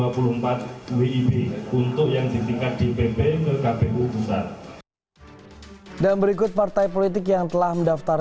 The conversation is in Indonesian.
kpu sudah menerima pemeriksaan tujuh belas partai politik yang terdaftar